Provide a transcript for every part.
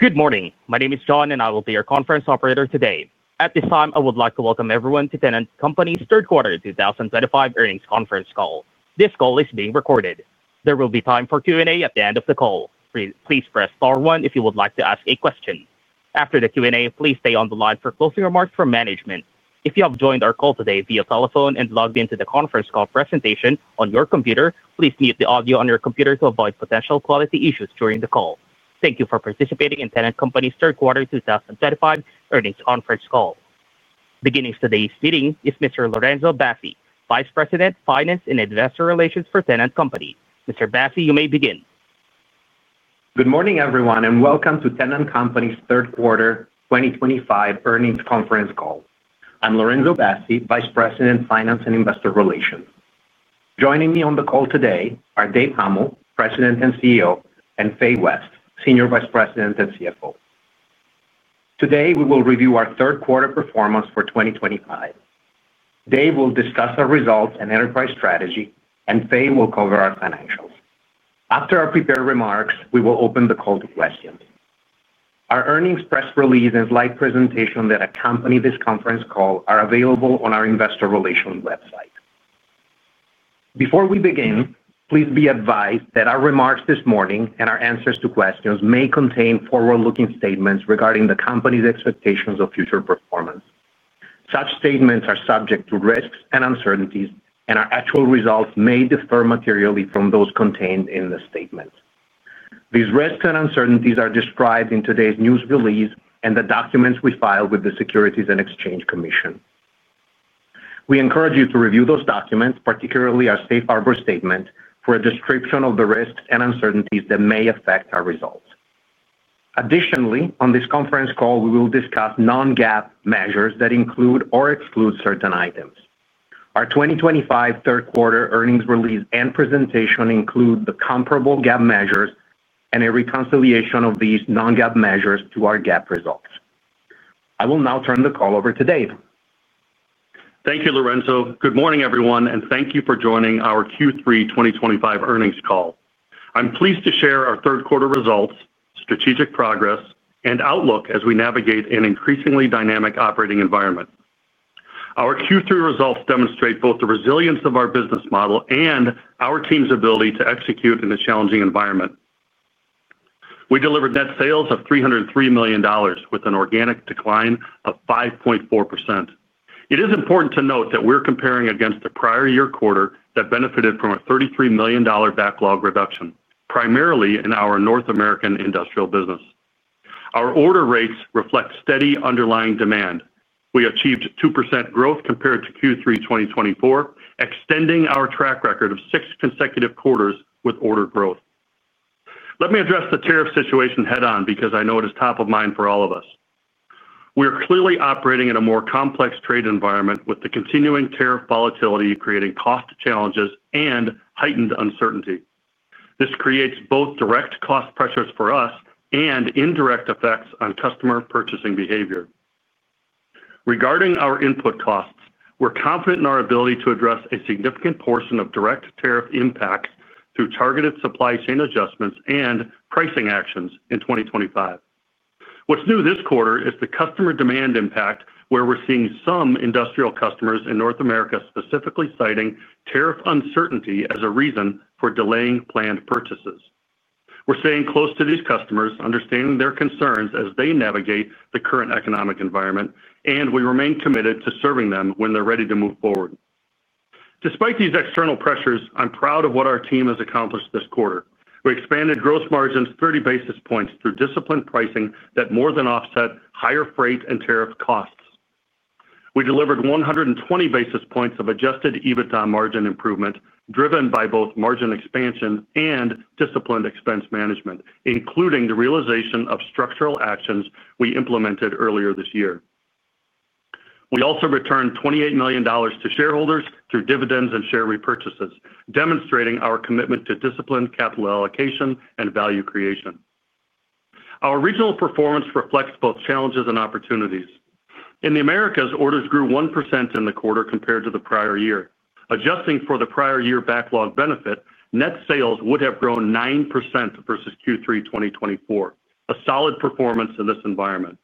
Good morning. My name is John, and I will be your conference operator today. At this time, I would like to welcome everyone to Tennant Company's Third Quarter 2025 Earnings Conference Call. This call is being recorded. There will be time for Q&A at the end of the call. Please press star one if you would like to ask a question. After the Q&A, please stay on the line for closing remarks from management. If you have joined our call today via telephone and logged into the conference call presentation on your computer, please mute the audio on your computer to avoid potential quality issues during the call. Thank you for participating in Tennant Company's Third Quarter 2025 Earnings Conference Call. Beginning today's meeting is Mr. Lorenzo Bassi, Vice President, Finance and Investor Relations for Tennant Company. Mr. Bassi, you may begin. Good morning, everyone, and welcome to Tennant Company's Third Quarter 2025 Earnings Conference Call. I'm Lorenzo Bassi, Vice President, Finance and Investor Relations. Joining me on the call today are Dave Huml, President and CEO, and Fay West, Senior Vice President and CFO. Today, we will review our third quarter performance for 2025. Dave will discuss our results and enterprise strategy, and Fay will cover our financials. After our prepared remarks, we will open the call to questions. Our earnings press release and slide presentation that accompany this conference call are available on our investor relations website. Before we begin, please be advised that our remarks this morning and our answers to questions may contain forward-looking statements regarding the company's expectations of future performance. Such statements are subject to risks and uncertainties, and our actual results may differ materially from those contained in the statements. These risks and uncertainties are described in today's news release and the documents we filed with the Securities and Exchange Commission. We encourage you to review those documents, particularly our safe harbor statement, for a description of the risks and uncertainties that may affect our results. Additionally, on this conference call, we will discuss non-GAAP measures that include or exclude certain items. Our 2025 third quarter earnings release and presentation include the comparable GAAP measures and a reconciliation of these non-GAAP measures to our GAAP results. I will now turn the call over to Dave. Thank you, Lorenzo. Good morning, everyone, and thank you for joining our Q3 2025 earnings call. I'm pleased to share our third quarter results, strategic progress, and outlook as we navigate an increasingly dynamic operating environment. Our Q3 results demonstrate both the resilience of our business model and our team's ability to execute in a challenging environment. We delivered net sales of $303 million, with an organic decline of 5.4%. It is important to note that we're comparing against the prior year quarter that benefited from a $33 million backlog reduction, primarily in our North American industrial business. Our order rates reflect steady underlying demand. We achieved 2% growth compared to Q3 2024, extending our track record of six consecutive quarters with order growth. Let me address the tariff situation head-on because I know it is top of mind for all of us. We are clearly operating in a more complex trade environment, with the continuing tariff volatility creating cost challenges and heightened uncertainty. This creates both direct cost pressures for us and indirect effects on customer purchasing behavior. Regarding our input costs, we're confident in our ability to address a significant portion of direct tariff impacts through targeted supply chain adjustments and pricing actions in 2025. What's new this quarter is the customer demand impact, where we're seeing some industrial customers in North America specifically citing tariff uncertainty as a reason for delaying planned purchases. We're staying close to these customers, understanding their concerns as they navigate the current economic environment, and we remain committed to serving them when they're ready to move forward. Despite these external pressures, I'm proud of what our team has accomplished this quarter. We expanded gross margins 30 basis points through disciplined pricing that more than offset higher freight and tariff costs. We delivered 120 basis points of adjusted EBITDA margin improvement, driven by both margin expansion and disciplined expense management, including the realization of structural actions we implemented earlier this year. We also returned $28 million to shareholders through dividends and share repurchases, demonstrating our commitment to disciplined capital allocation and value creation. Our regional performance reflects both challenges and opportunities. In the Americas, orders grew 1% in the quarter compared to the prior year. Adjusting for the prior year backlog benefit, net sales would have grown 9% versus Q3 2024, a solid performance in this environment.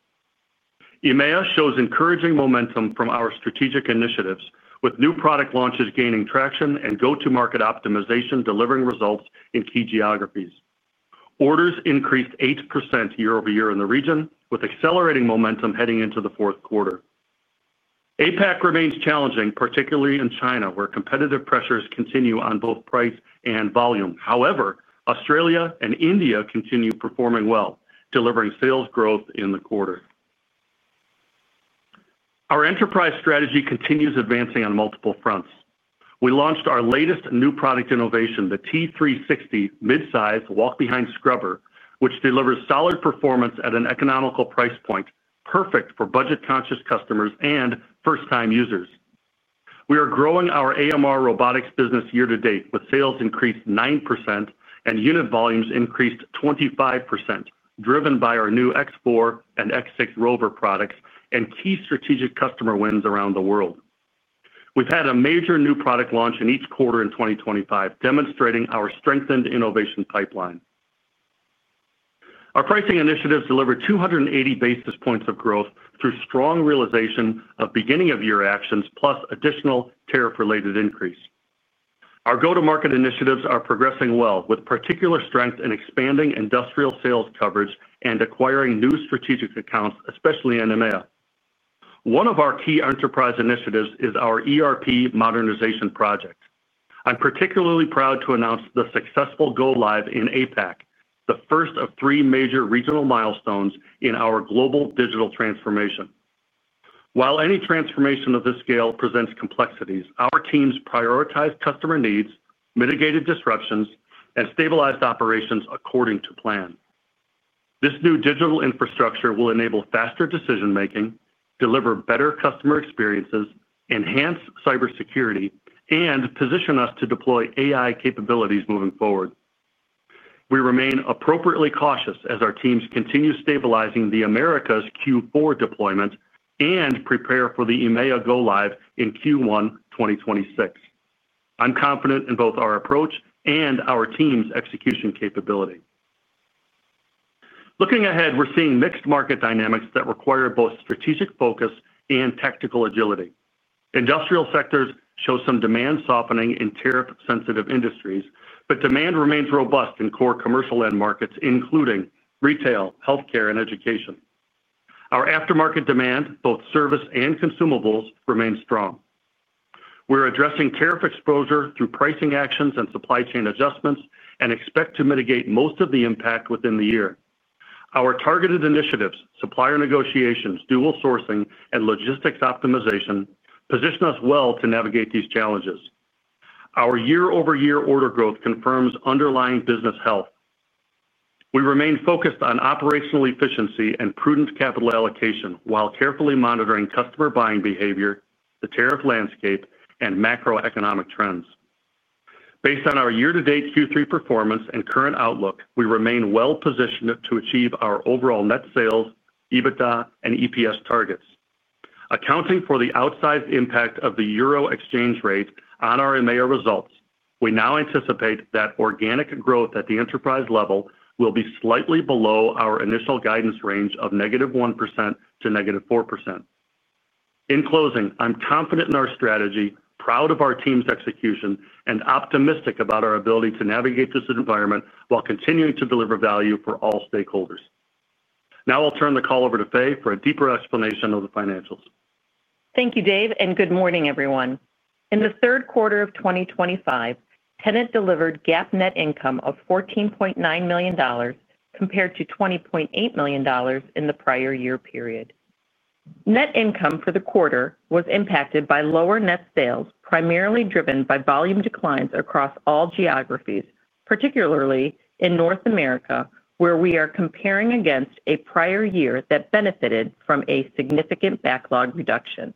EMEA shows encouraging momentum from our strategic initiatives, with new product launches gaining traction and go-to-market optimization delivering results in key geographies. Orders increased 8% year-over-year in the region, with accelerating momentum heading into the fourth quarter. APAC remains challenging, particularly in China, where competitive pressures continue on both price and volume. However, Australia and India continue performing well, delivering sales growth in the quarter. Our enterprise strategy continues advancing on multiple fronts. We launched our latest new product innovation, the T360 midsize walk-behind scrubber, which delivers solid performance at an economical price point, perfect for budget-conscious customers and first-time users. We are growing our AMR robotics business year-to-date, with sales increased 9% and unit volumes increased 25%, driven by our X4 and X6 ROVR products and key strategic customer wins around the world. We've had a major new product launch in each quarter in 2025, demonstrating our strengthened innovation pipeline. Our pricing initiatives delivered 280 basis points of growth through strong realization of beginning-of-year actions, plus additional tariff-related increase. Our go-to-market initiatives are progressing well, with particular strength in expanding industrial sales coverage and acquiring new strategic accounts, especially in EMEA. One of our key enterprise initiatives is our ERP modernization project. I'm particularly proud to announce the successful go-live in APAC, the first of three major regional milestones in our global digital transformation. While any transformation of this scale presents complexities, our teams prioritized customer needs, mitigated disruptions, and stabilized operations according to plan. This new digital infrastructure will enable faster decision-making, deliver better customer experiences, enhance cybersecurity, and position us to deploy AI capabilities moving forward. We remain appropriately cautious as our teams continue stabilizing the Americas' Q4 deployment and prepare for the EMEA go-live in Q1 2026. I'm confident in both our approach and our team's execution capability. Looking ahead, we're seeing mixed-market dynamics that require both strategic focus and tactical agility. Industrial sectors show some demand softening in tariff-sensitive industries, but demand remains robust in core commercial end markets, including retail, healthcare, and education. Our aftermarket demand, both service and consumables, remains strong. We're addressing tariff exposure through pricing actions and supply chain adjustments and expect to mitigate most of the impact within the year. Our targeted initiatives, supplier negotiations, dual sourcing, and logistics optimization position us well to navigate these challenges. Our year-over-year order growth confirms underlying business health. We remain focused on operational efficiency and prudent capital allocation while carefully monitoring customer buying behavior, the tariff landscape, and macroeconomic trends. Based on our year-to-date Q3 performance and current outlook, we remain well-positioned to achieve our overall net sales, EBITDA, and EPS targets. Accounting for the outsized impact of the Euro exchange rate on our EMEA results, we now anticipate that organic growth at the enterprise level will be slightly below our initial guidance range of -1% to -4%. In closing, I'm confident in our strategy, proud of our team's execution, and optimistic about our ability to navigate this environment while continuing to deliver value for all stakeholders. Now I'll turn the call over to Fay for a deeper explanation of the financials. Thank you, Dave, and good morning, everyone. In the third quarter of 2025, Tennant delivered GAAP net income of $14.9 million compared to $20.8 million in the prior year period. Net income for the quarter was impacted by lower net sales, primarily driven by volume declines across all geographies, particularly in North America, where we are comparing against a prior year that benefited from a significant backlog reduction.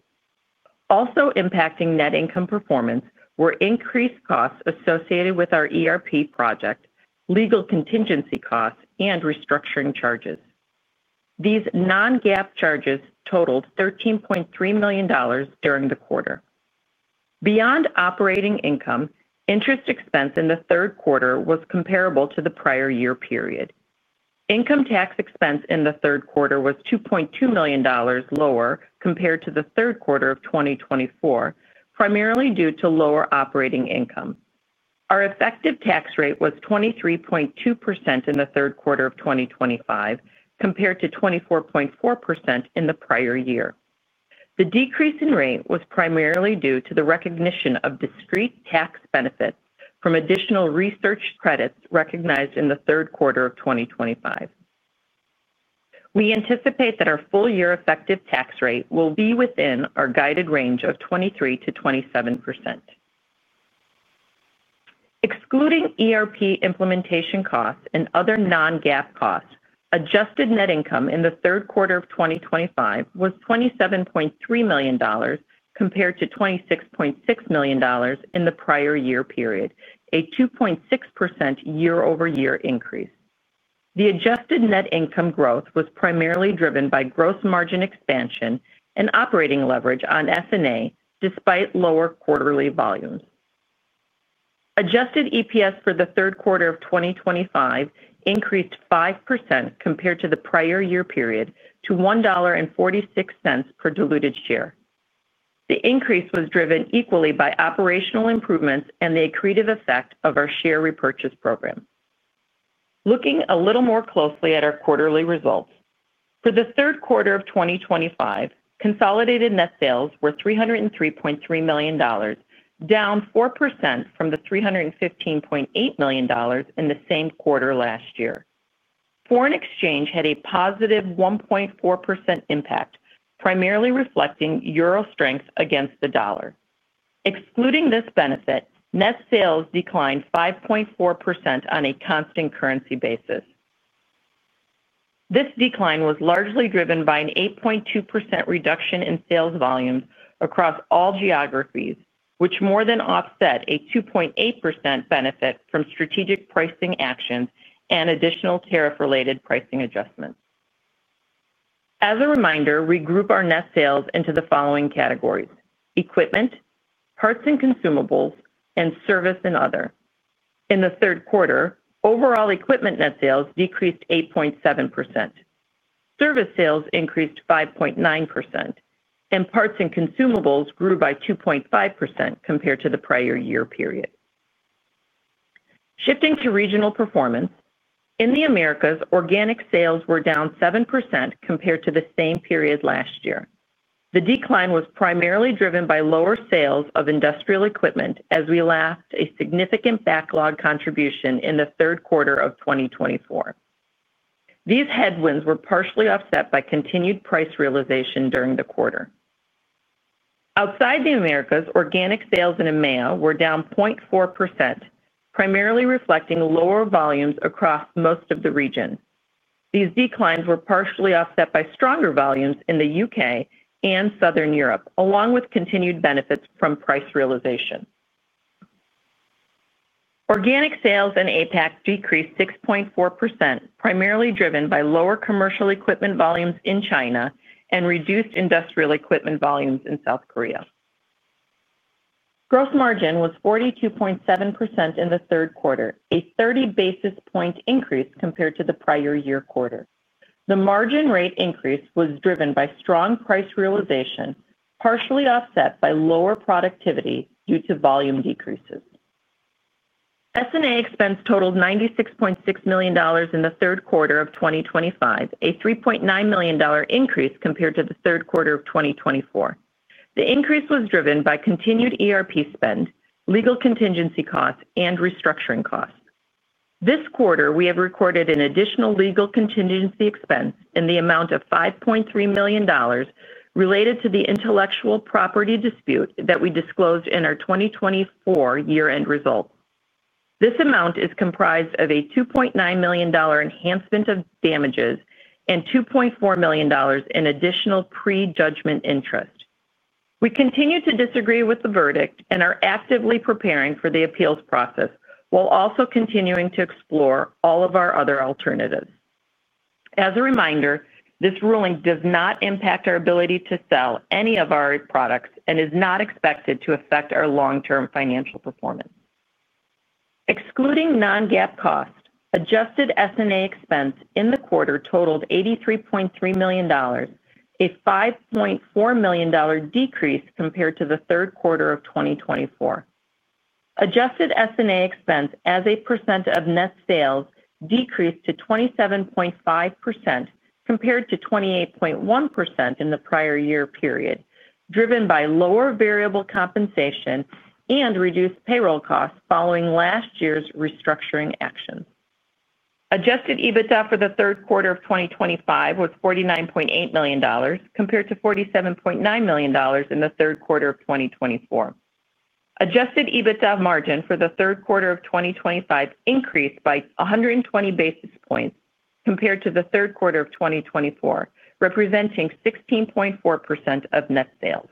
Also impacting net income performance were increased costs associated with our ERP project, legal contingency costs, and restructuring charges. These non-GAAP charges totaled $13.3 million during the quarter. Beyond operating income, interest expense in the third quarter was comparable to the prior year period. Income tax expense in the third quarter was $2.2 million lower compared to the third quarter of 2024, primarily due to lower operating income. Our effective tax rate was 23.2% in the third quarter of 2025, compared to 24.4% in the prior year. The decrease in rate was primarily due to the recognition of discrete tax benefits from additional research credits recognized in the third quarter of 2025. We anticipate that our full-year effective tax rate will be within our guided range of 23%-27%. Excluding ERP implementation costs and other non-GAAP costs, adjusted net income in the third quarter of 2025 was $27.3 million compared to $26.6 million in the prior year period, a 2.6% year-over-year increase. The adjusted net income growth was primarily driven by gross margin expansion and operating leverage on S&A, despite lower quarterly volumes. Adjusted EPS for the third quarter of 2025 increased 5% compared to the prior year period to $1.46 per diluted share. The increase was driven equally by operational improvements and the accretive effect of our share repurchase program. Looking a little more closely at our quarterly results, for the third quarter of 2025, consolidated net sales were $303.3 million, down 4% from the $315.8 million in the same quarter last year. Foreign exchange had a positive 1.4% impact, primarily reflecting euro strength against the dollar. Excluding this benefit, net sales declined 5.4% on a constant currency basis. This decline was largely driven by an 8.2% reduction in sales volumes across all geographies, which more than offset a 2.8% benefit from strategic pricing actions and additional tariff-related pricing adjustments. As a reminder, we group our net sales into the following categories: equipment, parts and consumables, and service and other. In the third quarter, overall equipment net sales decreased 8.7%. Service sales increased 5.9%. And parts and consumables grew by 2.5% compared to the prior year period. Shifting to regional performance, in the Americas, organic sales were down 7% compared to the same period last year. The decline was primarily driven by lower sales of industrial equipment, as we lapped a significant backlog contribution in the third quarter of 2024. These headwinds were partially offset by continued price realization during the quarter. Outside the Americas, organic sales in EMEA were down 0.4%, primarily reflecting lower volumes across most of the region. These declines were partially offset by stronger volumes in the U.K. and Southern Europe, along with continued benefits from price realization. Organic sales in APAC decreased 6.4%, primarily driven by lower commercial equipment volumes in China and reduced industrial equipment volumes in South Korea. Gross margin was 42.7% in the third quarter, a 30 basis point increase compared to the prior year quarter. The margin rate increase was driven by strong price realization, partially offset by lower productivity due to volume decreases. S&A expense totaled $96.6 million in the third quarter of 2025, a $3.9 million increase compared to the third quarter of 2024. The increase was driven by continued ERP spend, legal contingency costs, and restructuring costs. This quarter, we have recorded an additional legal contingency expense in the amount of $5.3 million. Related to the intellectual property dispute that we disclosed in our 2024 year-end results. This amount is comprised of a $2.9 million enhancement of damages and $2.4 million in additional pre-judgment interest. We continue to disagree with the verdict and are actively preparing for the appeals process while also continuing to explore all of our other alternatives. As a reminder, this ruling does not impact our ability to sell any of our products and is not expected to affect our long-term financial performance. Excluding non-GAAP costs, adjusted S&A expense in the quarter totaled $83.3 million, a $5.4 million decrease compared to the third quarter of 2024. Adjusted S&A expense as a percent of net sales decreased to 27.5% compared to 28.1% in the prior year period, driven by lower variable compensation and reduced payroll costs following last year's restructuring actions. Adjusted EBITDA for the third quarter of 2025 was $49.8 million compared to $47.9 million in the third quarter of 2024. Adjusted EBITDA margin for the third quarter of 2025 increased by 120 basis points compared to the third quarter of 2024, representing 16.4% of net sales.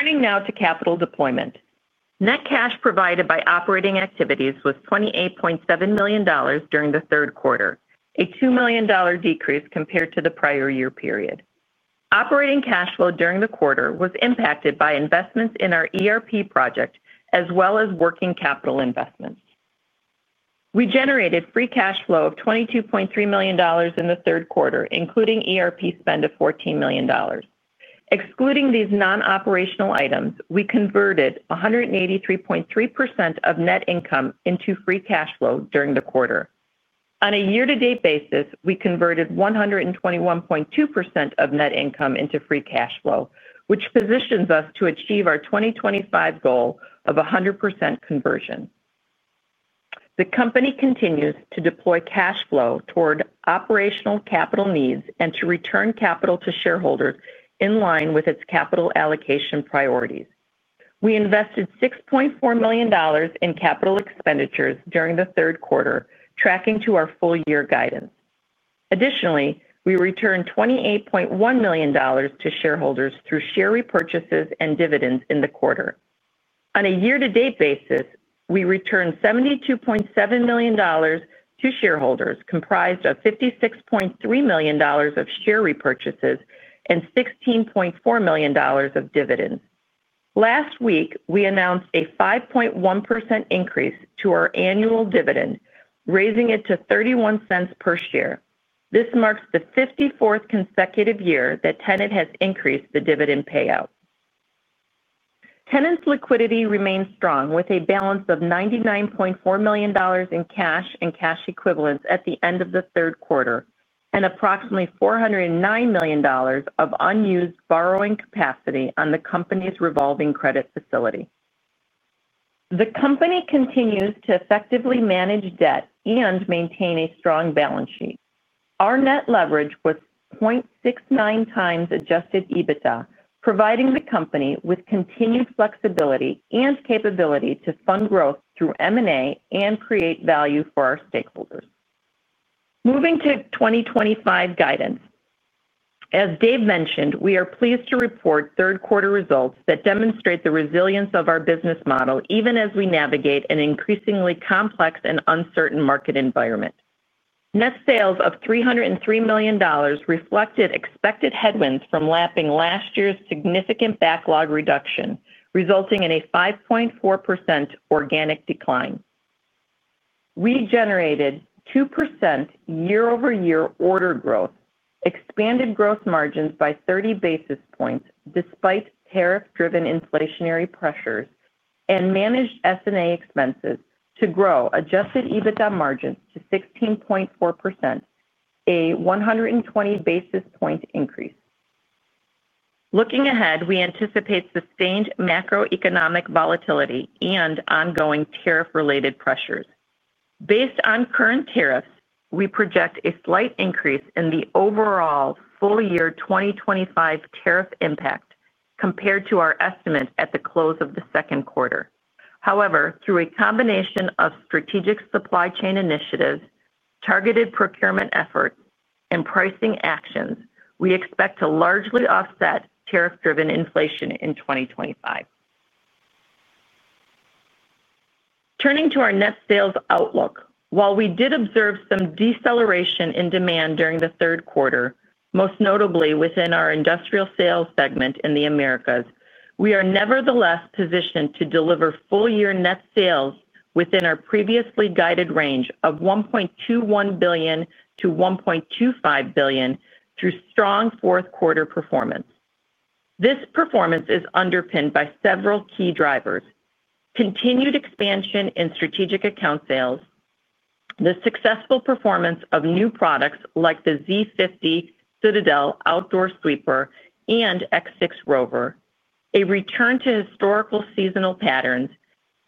Turning now to capital deployment. Net cash provided by operating activities was $28.7 million during the third quarter, a $2 million decrease compared to the prior year period. Operating cash flow during the quarter was impacted by investments in our ERP project as well as working capital investments. We generated free cash flow of $22.3 million in the third quarter, including ERP spend of $14 million. Excluding these non-operational items, we converted 183.3% of net income into free cash flow during the quarter. On a year-to-date basis, we converted 121.2% of net income into free cash flow, which positions us to achieve our 2025 goal of 100% conversion. The company continues to deploy cash flow toward operational capital needs and to return capital to shareholders in line with its capital allocation priorities. We invested $6.4 million in capital expenditures during the third quarter, tracking to our full-year guidance. Additionally, we returned $28.1 million to shareholders through share repurchases and dividends in the quarter. On a year-to-date basis, we returned $72.7 million to shareholders, comprised of $56.3 million of share repurchases and $16.4 million of dividends. Last week, we announced a 5.1% increase to our annual dividend, raising it to $0.31 per share. This marks the 54th consecutive year that Tennant has increased the dividend payout. Tennant's liquidity remains strong, with a balance of $99.4 million in cash and cash equivalents at the end of the third quarter and approximately $409 million of unused borrowing capacity on the company's revolving credit facility. The company continues to effectively manage debt and maintain a strong balance sheet. Our net leverage was 0.69x Adjusted EBITDA, providing the company with continued flexibility and capability to fund growth through M&A and create value for our stakeholders. Moving to 2025 guidance. As Dave mentioned, we are pleased to report third-quarter results that demonstrate the resilience of our business model, even as we navigate an increasingly complex and uncertain market environment. Net sales of $303 million reflected expected headwinds from lapping last year's significant backlog reduction, resulting in a 5.4% organic decline. We generated 2% year-over-year order growth, expanded gross margins by 30 basis points despite tariff-driven inflationary pressures, and managed S&A expenses to grow Adjusted EBITDA margins to 16.4%. A 120 basis point increase. Looking ahead, we anticipate sustained macroeconomic volatility and ongoing tariff-related pressures. Based on current tariffs, we project a slight increase in the overall full-year 2025 tariff impact compared to our estimate at the close of the second quarter. However, through a combination of strategic supply chain initiatives, targeted procurement efforts, and pricing actions, we expect to largely offset tariff-driven inflation in 2025. Turning to our net sales outlook, while we did observe some deceleration in demand during the third quarter, most notably within our industrial sales segment in the Americas, we are nevertheless positioned to deliver full-year net sales within our previously guided range of $1.21 billion-$1.25 billion through strong fourth-quarter performance. This performance is underpinned by several key drivers: continued expansion in strategic account sales. The successful performance of new products like the Z50 Citadel Outdoor Sweeper and X6 ROVR, a return to historical seasonal patterns,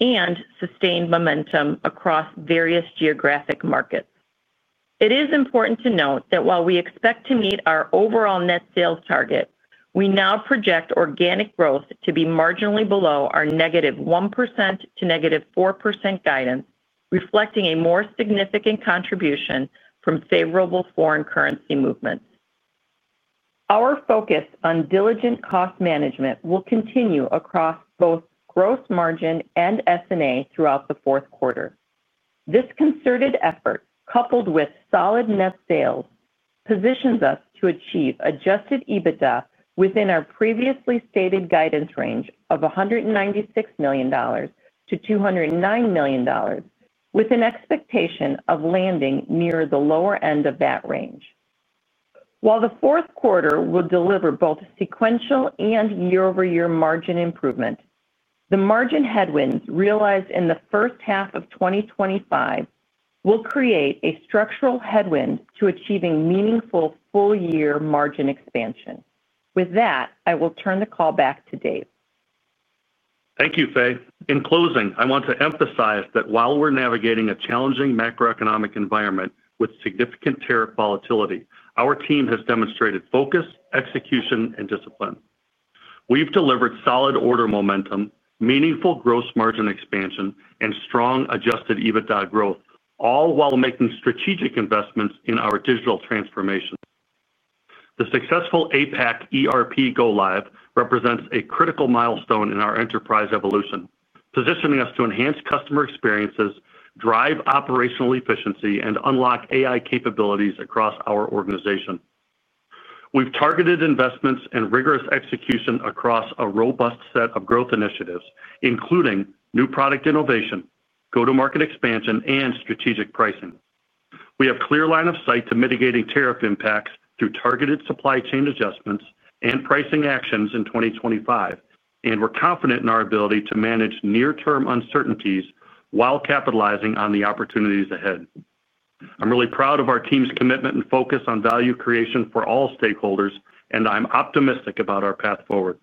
and sustained momentum across various geographic markets. It is important to note that while we expect to meet our overall net sales target, we now project organic growth to be marginally below our -1% to -4% guidance, reflecting a more significant contribution from favorable foreign currency movements. Our focus on diligent cost management will continue across both gross margin and S&A throughout the fourth quarter. This concerted effort, coupled with solid net sales, positions us to achieve Adjusted EBITDA within our previously stated guidance range of $196 million-$209 million, with an expectation of landing near the lower end of that range. While the fourth quarter will deliver both sequential and year-over-year margin improvement, the margin headwinds realized in the first half of 2025 will create a structural headwind to achieving meaningful full-year margin expansion. With that, I will turn the call back to Dave. Thank you, Fay. In closing, I want to emphasize that while we're navigating a challenging macroeconomic environment with significant tariff volatility, our team has demonstrated focus, execution, and discipline. We've delivered solid order momentum, meaningful gross margin expansion, and strong Adjusted EBITDA growth, all while making strategic investments in our digital transformation. The successful APAC ERP go-live represents a critical milestone in our enterprise evolution, positioning us to enhance customer experiences, drive operational efficiency, and unlock AI capabilities across our organization. We've targeted investments and rigorous execution across a robust set of growth initiatives, including new product innovation, go-to-market expansion, and strategic pricing. We have a clear line of sight to mitigating tariff impacts through targeted supply chain adjustments and pricing actions in 2025, and we're confident in our ability to manage near-term uncertainties while capitalizing on the opportunities ahead. I'm really proud of our team's commitment and focus on value creation for all stakeholders, and I'm optimistic about our path forward.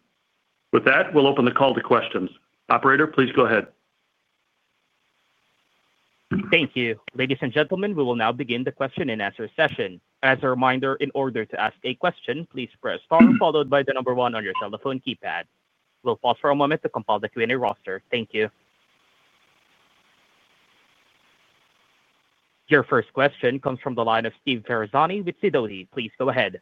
With that, we'll open the call to questions. Operator, please go ahead. Thank you. Ladies and gentlemen, we will now begin the question-and-answer session. As a reminder, in order to ask a question, please press star followed by the number one on your telephone keypad. We'll pause for a moment to compile the Q&A roster. Thank you. Your first question comes from the line of Steve Ferazani with Sidoti. Please go ahead.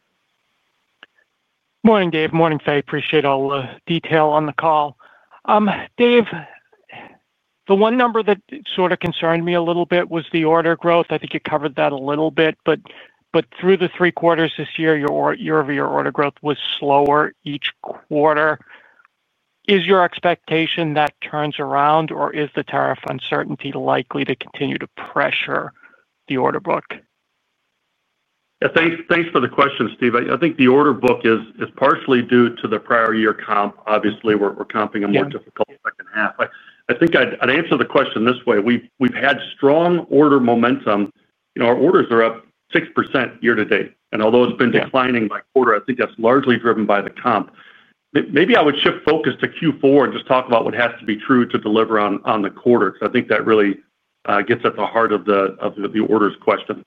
Morning, Dave. Morning, Fay. Appreciate all the detail on the call. Dave. The one number that sort of concerned me a little bit was the order growth. I think you covered that a little bit, but through the three quarters this year, your order growth was slower each quarter. Is your expectation that turns around, or is the tariff uncertainty likely to continue to pressure the order book? Yeah, thanks for the question, Steve. I think the order book is partially due to the prior year comp. Obviously, we're comping a more difficult second half. I think I'd answer the question this way. We've had strong order momentum. Our orders are up 6% year-to-date. And although it's been declining by a quarter, I think that's largely driven by the comp. Maybe I would shift focus to Q4 and just talk about what has to be true to deliver on the quarter, because I think that really gets at the heart of the orders question.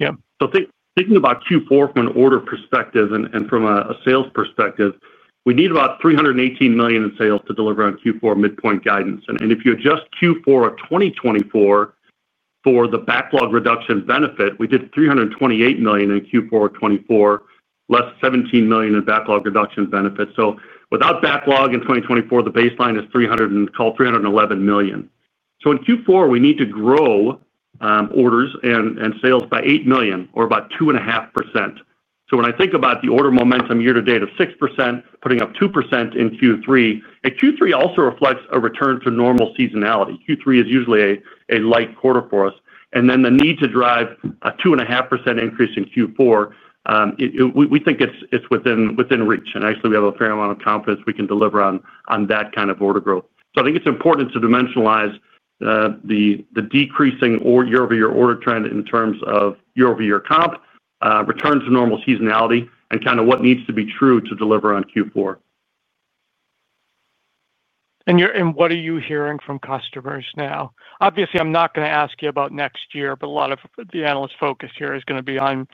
Yeah. Okay. So thinking about Q4 from an order perspective and from a sales perspective, we need about $318 million in sales to deliver on Q4 midpoint guidance. And if you adjust Q4 of 2024 for the backlog reduction benefit, we did $328 million in Q4 of 2024, less $17 million in backlog reduction benefit. So without backlog in 2024, the baseline is called $311 million. So in Q4, we need to grow orders and sales by $8 million or about 2.5%. So when I think about the order momentum year-to-date of 6%, putting up 2% in Q3, Q3 also reflects a return to normal seasonality. Q3 is usually a light quarter for us. And then the need to drive a 2.5% increase in Q4. We think it's within reach. And actually, we have a fair amount of confidence we can deliver on that kind of order growth. So I think it's important to dimensionalize the decreasing year-over-year order trend in terms of year-over-year comp, return to normal seasonality, and kind of what needs to be true to deliver on Q4. And what are you hearing from customers now? Obviously, I'm not going to ask you about next year, but a lot of the analyst focus here is going to be on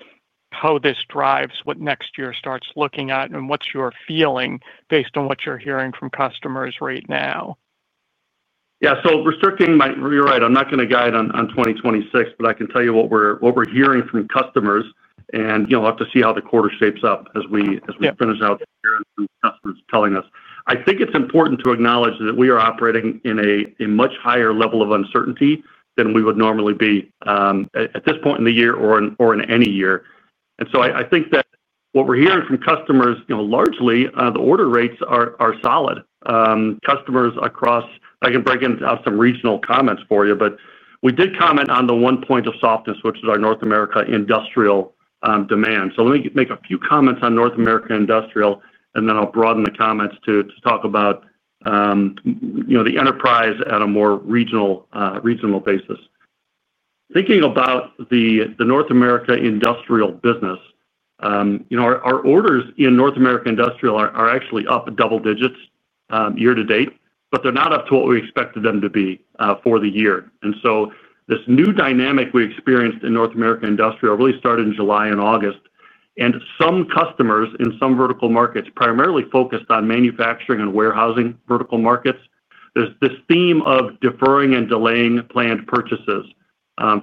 how this drives what next year starts looking at and what's your feeling based on what you're hearing from customers right now? Yeah. So restricting my—you're right. I'm not going to guide on 2026, but I can tell you what we're hearing from customers, and we'll have to see how the quarter shapes up as we finish out the year and customers telling us. I think it's important to acknowledge that we are operating in a much higher level of uncertainty than we would normally be at this point in the year or in any year. And so I think that what we're hearing from customers, largely, the order rates are solid. Customers across—I can break into some regional comments for you, but we did comment on the one point of softness, which is our North America industrial demand. So let me make a few comments on North America industrial, and then I'll broaden the comments to talk about the enterprise at a more regional basis. Thinking about the North America industrial business. Our orders in North America industrial are actually up double digits year-to-date, but they're not up to what we expected them to be for the year. And so this new dynamic we experienced in North America industrial really started in July and August. And some customers in some vertical markets primarily focused on manufacturing and warehousing vertical markets. There's this theme of deferring and delaying planned purchases,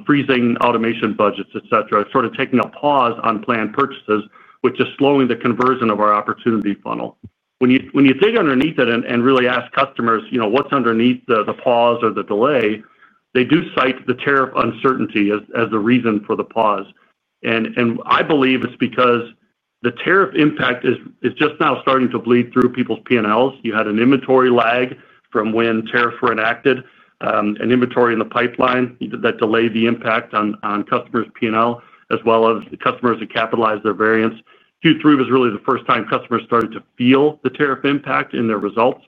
freezing automation budgets, etc., sort of taking a pause on planned purchases, which is slowing the conversion of our opportunity funnel. When you dig underneath it and really ask customers what's underneath the pause or the delay, they do cite the tariff uncertainty as the reason for the pause. And I believe it's because the tariff impact is just now starting to bleed through people's P&Ls. You had an inventory lag from when tariffs were enacted, an inventory in the pipeline that delayed the impact on customers' P&L, as well as customers to capitalize their variance. Q3 was really the first time customers started to feel the tariff impact in their results.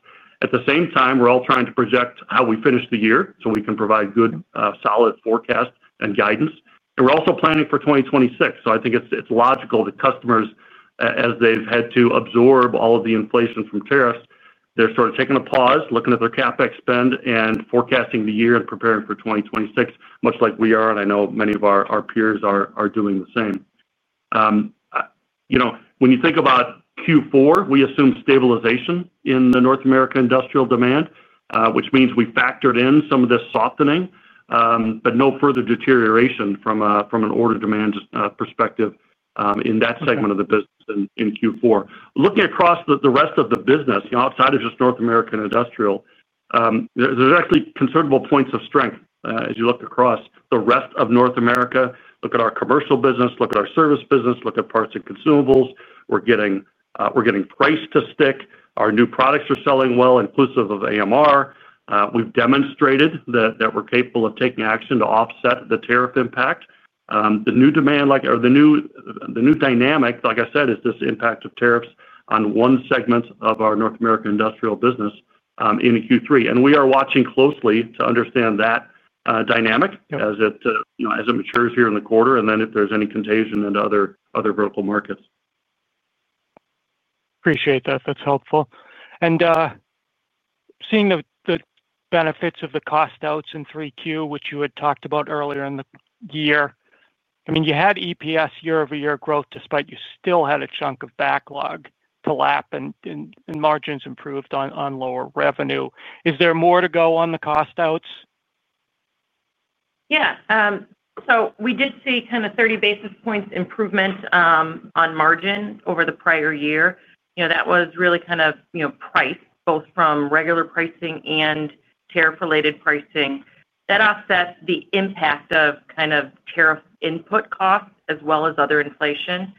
At the same time, we're all trying to project how we finish the year so we can provide good, solid forecasts and guidance. And we're also planning for 2026. So I think it's logical that customers, as they've had to absorb all of the inflation from tariffs, they're sort of taking a pause, looking at their CapEx spend, and forecasting the year and preparing for 2026, much like we are. And I know many of our peers are doing the same. When you think about Q4, we assume stabilization in the North America industrial demand, which means we factored in some of this softening, but no further deterioration from an order demand perspective in that segment of the business in Q4. Looking across the rest of the business, outside of just North America industrial, there's actually considerable points of strength as you look across the rest of North America. Look at our commercial business, look at our service business, look at parts and consumables. We're getting price to stick. Our new products are selling well, inclusive of AMR. We've demonstrated that we're capable of taking action to offset the tariff impact. The new demand, or the new dynamic, like I said, is this impact of tariffs on one segment of our North America industrial business in Q3. And we are watching closely to understand that dynamic as it matures here in the quarter and then if there's any contagion into other vertical markets. Appreciate that. That's helpful. And seeing the benefits of the cost outs in 3Q, which you had talked about earlier in the year, I mean, you had EPS year-over-year growth despite you still had a chunk of backlog to lap and margins improved on lower revenue. Is there more to go on the cost outs? Yeah. So we did see kind of 30 basis points improvement on margin over the prior year. That was really kind of priced, both from regular pricing and tariff-related pricing. That offset the impact of kind of tariff input costs as well as other inflation.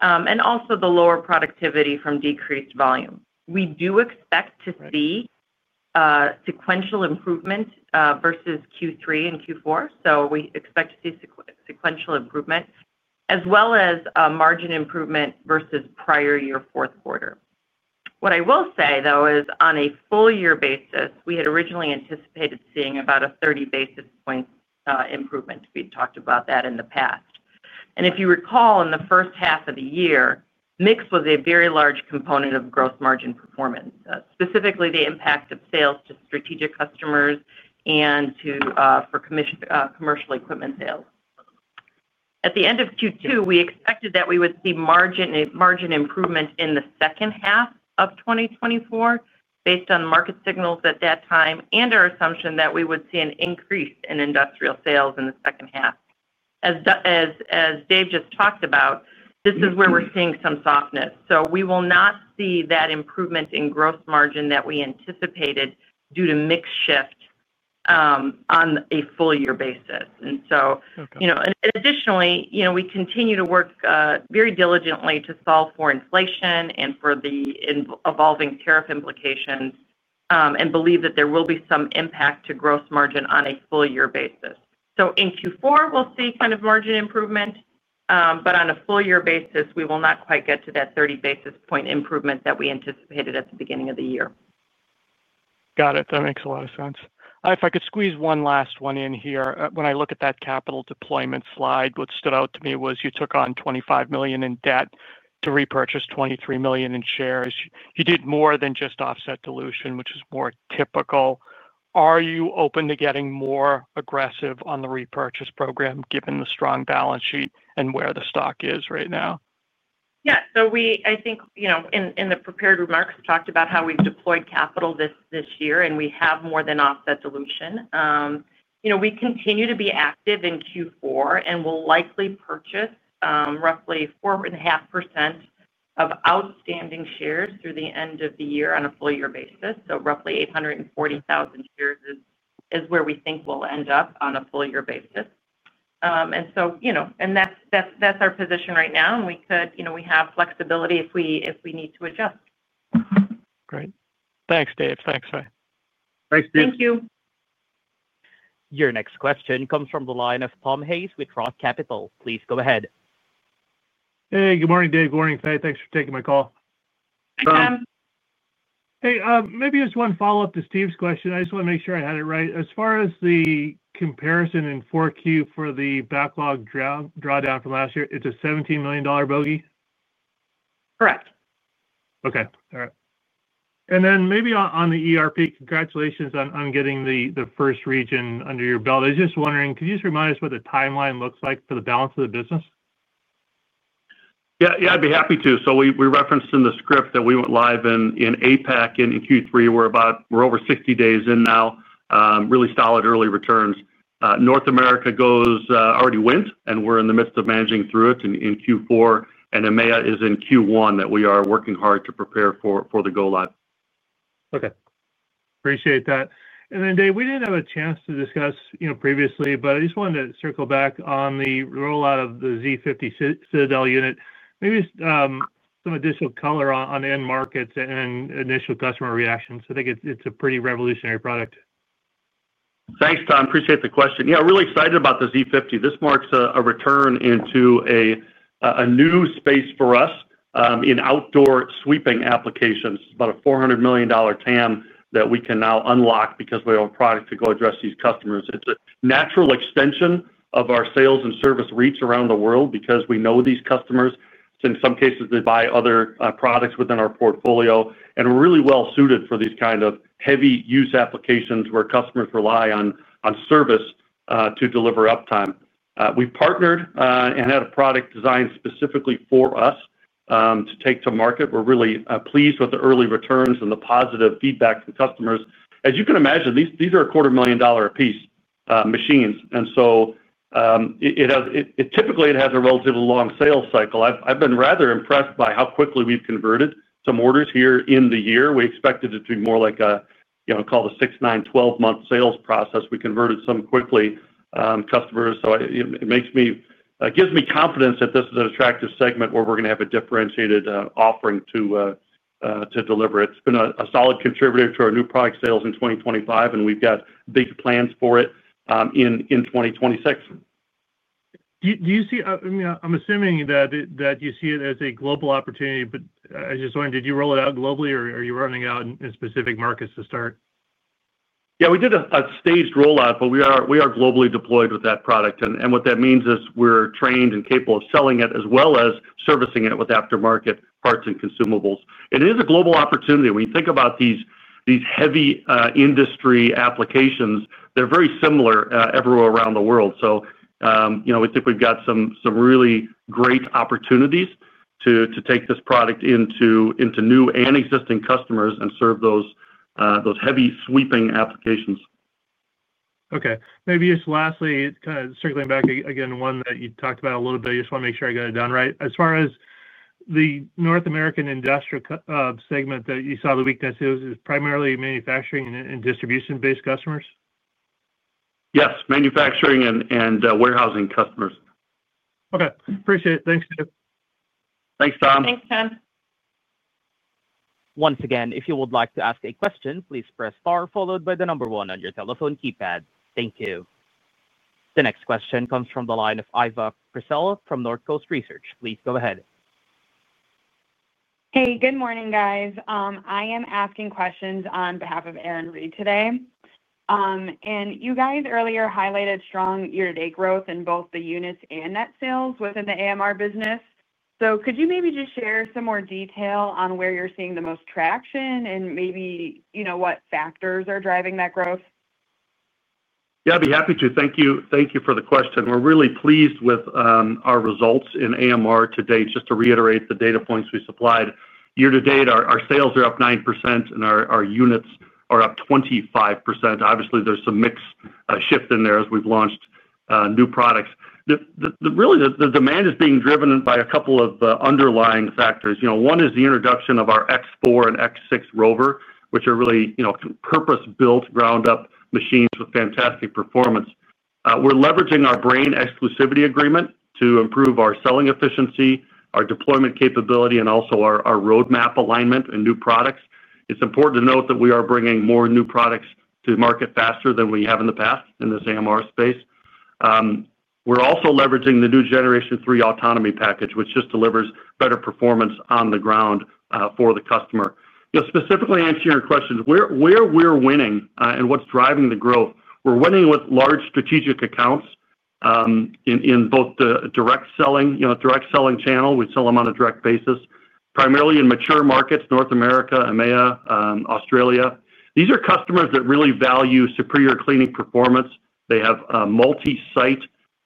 And also the lower productivity from decreased volume. We do expect to see sequential improvement versus Q3 and Q4. So we expect to see sequential improvement as well as margin improvement versus prior year fourth quarter. What I will say, though, is on a full-year basis, we had originally anticipated seeing about a 30 basis point improvement. We talked about that in the past. And if you recall, in the first half of the year, mix was a very large component of gross margin performance, specifically the impact of sales to strategic customers and for commercial equipment sales. At the end of Q2, we expected that we would see margin improvement in the second half of 2024 based on market signals at that time and our assumption that we would see an increase in industrial sales in the second half. As. Dave just talked about this is where we're seeing some softness. So we will not see that improvement in gross margin that we anticipated due to mix shift on a full-year basis, and so additionally, we continue to work very diligently to solve for inflation and for the evolving tariff implications and believe that there will be some impact to gross margin on a full-year basis. So in Q4, we'll see kind of margin improvement, but on a full-year basis, we will not quite get to that 30 basis point improvement that we anticipated at the beginning of the year. Got it. That makes a lot of sense. If I could squeeze one last one in here, when I look at that capital deployment slide, what stood out to me was you took on $25 million in debt to repurchase $23 million in shares. You did more than just offset dilution, which is more typical. Are you open to getting more aggressive on the repurchase program given the strong balance sheet and where the stock is right now? Yeah, so I think in the prepared remarks talked about how we've deployed capital this year, and we have more than offset dilution. We continue to be active in Q4, and we'll likely purchase roughly 4.5% of outstanding shares through the end of the year on a full-year basis, so roughly 840,000 shares is where we think we'll end up on a full-year basis, and so that's our position right now. And we have flexibility if we need to adjust. Great. Thanks, Dave. Thanks, Fay. Thanks, Steve. Thank you. Your next question comes from the line of Tom Hayes with Ross Capital. Please go ahead. Hey, good morning, Dave. Good morning, Fay. Thanks for taking my call. Hey. Maybe just one follow-up to Steve's question. I just want to make sure I had it right. As far as the comparison in 4Q for the backlog drawdown from last year, it's a $17 million bogey? Correct. Okay. All right. And then maybe on the ERP, congratulations on getting the first region under your belt. I was just wondering, could you just remind us what the timeline looks like for the balance of the business? Yeah, I'd be happy to. So we referenced in the script that we went live in APAC in Q3. We're over 60 days in now, really solid early returns. North America already went, and we're in the midst of managing through it in Q4, and EMEA is in Q1 that we are working hard to prepare for the go-live. Okay. Appreciate that. And then, Dave, we didn't have a chance to discuss previously, but I just wanted to circle back on the rollout of the Z50 Citadel unit, maybe just some additional color on end markets and initial customer reactions. I think it's a pretty revolutionary product. Thanks, Tom. Appreciate the question. Yeah, we're really excited about the Z50. This marks a return into a new space for us in outdoor sweeping applications. It's about a $400 million TAM that we can now unlock because we have a product to go address these customers. It's a natural extension of our sales and service reach around the world because we know these customers. In some cases, they buy other products within our portfolio. And we're really well suited for these kind of heavy-use applications where customers rely on service to deliver uptime. We partnered and had a product designed specifically for us to take to market. We're really pleased with the early returns and the positive feedback from customers. As you can imagine, these are $250,000-a-piece machines. And so typically, it has a relatively long sales cycle. I've been rather impressed by how quickly we've converted some orders here in the year. We expected it to be more like a, call it a six, nine, 12-month sales process. We converted some quickly. Customers. So it gives me confidence that this is an attractive segment where we're going to have a differentiated offering to deliver. It's been a solid contributor to our new product sales in 2025, and we've got big plans for it in 2026. Do you see—I mean, I'm assuming that you see it as a global opportunity. But I just wanted to—did you roll it out globally, or are you running out in specific markets to start? Yeah, we did a staged rollout, but we are globally deployed with that product. And what that means is we're trained and capable of selling it as well as servicing it with aftermarket parts and consumables. It is a global opportunity. When you think about these heavy industry applications, they're very similar everywhere around the world. So we think we've got some really great opportunities to take this product into new and existing customers and serve those heavy sweeping applications. Okay. Maybe just lastly, kind of circling back again, one that you talked about a little bit, I just want to make sure I got it down right. As far as the North American industrial segment that you saw the weakness, it was primarily manufacturing and distribution-based customers? Yes, manufacturing and warehousing customers. Okay. Appreciate it. Thanks, Dave. Thanks, Tom. Thanks, Tom. Once again, if you would like to ask a question, please press star followed by the number one on your telephone keypad. Thank you. The next question comes from the line of Iva Prcela from Northcoast Research. Please go ahead. Hey, good morning, guys. I am asking questions on behalf of Aaron Reed today. And you guys earlier highlighted strong year-to-date growth in both the units and net sales within the AMR business. So could you maybe just share some more detail on where you're seeing the most traction and maybe what factors are driving that growth? Yeah, I'd be happy to. Thank you for the question. We're really pleased with our results in AMR to date. Just to reiterate the data points we supplied, year-to-date, our sales are up 9%, and our units are up 25%. Obviously, there's some mixed shift in there as we've launched new products. Really, the demand is being driven by a couple of underlying factors. One is the introduction of our X4 and X6 ROVR, which are really purpose-built, ground-up machines with fantastic performance. We're leveraging our brand exclusivity agreement to improve our selling efficiency, our deployment capability, and also our roadmap alignment and new products. It's important to note that we are bringing more new products to the market faster than we have in the past in this AMR space. We're also leveraging the new Generation 3 autonomy package, which just delivers better performance on the ground for the customer. Specifically, answering your question, where we're winning and what's driving the growth, we're winning with large strategic accounts. In both the direct selling channel, we sell them on a direct basis, primarily in mature markets, North America, EMEA, Australia. These are customers that really value superior cleaning performance. They have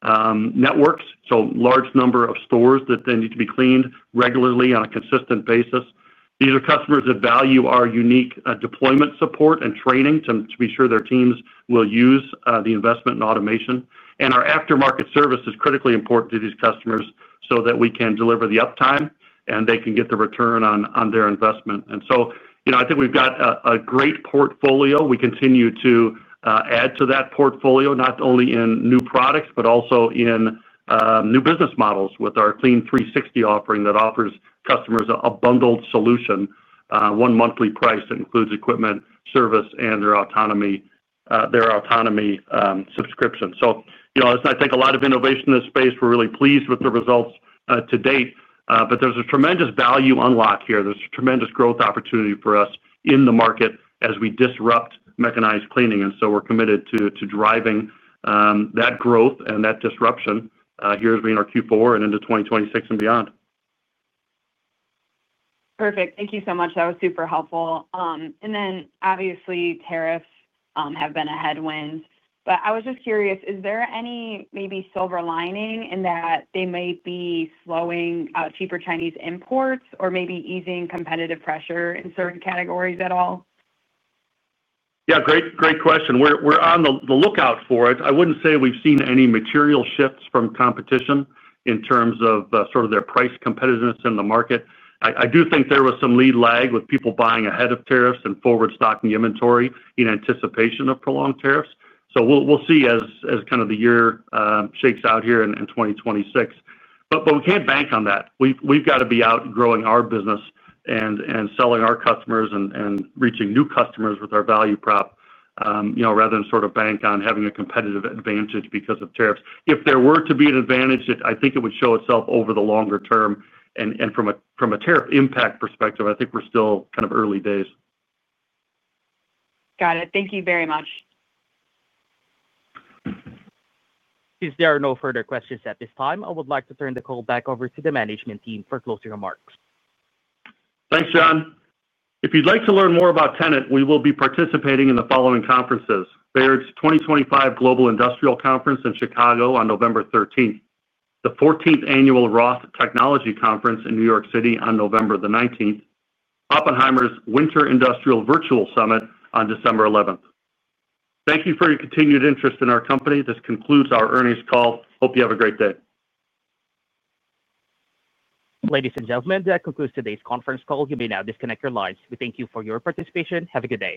multi-site networks, so a large number of stores that they need to be cleaned regularly on a consistent basis. These are customers that value our unique deployment support and training to be sure their teams will use the investment in automation. And our aftermarket service is critically important to these customers so that we can deliver the uptime and they can get the return on their investment. And so I think we've got a great portfolio. We continue to add to that portfolio, not only in new products, but also in new business models with our Clean 360 offering that offers customers a bundled solution, one monthly price that includes equipment, service, and their autonomy subscription. So I think a lot of innovation in this space. We're really pleased with the results to date. But there's a tremendous value unlock here. There's a tremendous growth opportunity for us in the market as we disrupt mechanized cleaning. And so we're committed to driving that growth and that disruption here in our Q4 and into 2026 and beyond. Perfect. Thank you so much. That was super helpful. And then, obviously, tariffs have been a headwind. But I was just curious, is there any maybe silver lining in that they may be slowing cheaper Chinese imports or maybe easing competitive pressure in certain categories at all? Yeah, great question. We're on the lookout for it. I wouldn't say we've seen any material shifts from competition in terms of sort of their price competitiveness in the market. I do think there was some lead lag with people buying ahead of tariffs and forward stocking inventory in anticipation of prolonged tariffs. So we'll see as kind of the year shakes out here in 2026. But we can't bank on that. We've got to be outgrowing our business and selling our customers and reaching new customers with our value prop. Rather than sort of bank on having a competitive advantage because of tariffs. If there were to be an advantage, I think it would show itself over the longer term. And from a tariff impact perspective, I think we're still kind of early days. Got it. Thank you very much. If there are no further questions at this time, I would like to turn the call back over to the management team for closing remarks. Thanks, John. If you'd like to learn more about Tennant, we will be participating in the following conferences: Baird's 2025 Global Industrial Conference in Chicago on November 13th, the 14th Annual Ross Technology Conference in New York City on November the 19th, Oppenheimer's Winter Industrial Virtual Summit on December 11th. Thank you for your continued interest in our company. This concludes our earnings call. Hope you have a great day. Ladies and gentlemen, that concludes today's conference call. You may now disconnect your lines. We thank you for your participation. Have a good day.